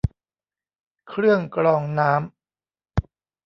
เครื่องกรองน้ำ